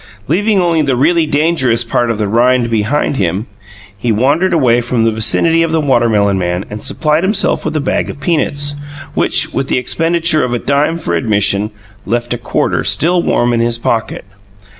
Leaving only the really dangerous part of the rind behind him, he wandered away from the vicinity of the watermelon man and supplied himself with a bag of peanuts, which, with the expenditure of a dime for admission, left a quarter still warm in his pocket.